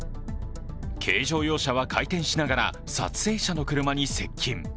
軽乗用車は回転しながら撮影者の車に接近。